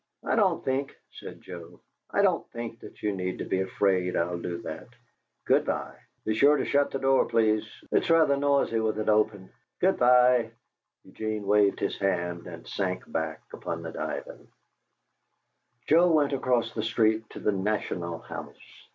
"I don't think," said Joe, "I don't think that you need be afraid I'll do that. Good bye." "Be sure to shut the door, please; it's rather noisy with it open. Good bye." Eugene waved his hand and sank back upon the divan. Joe went across the street to the "National House."